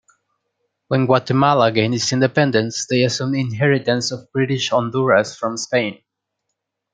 When Guatemala gained its independence, they assumed inheritance of British Honduras from Spain.